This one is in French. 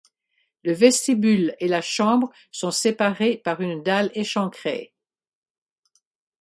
Le vestibule et la chambre sont séparés par une dalle échancrée.